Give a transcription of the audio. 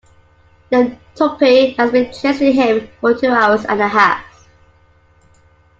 Then Tuppy has been chasing him for two hours and a half.